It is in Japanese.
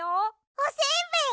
おせんべい！？